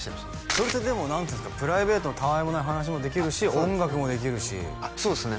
それってでも何ていうんですかプライベートのたわいもない話もできるし音楽もできるしああそうですね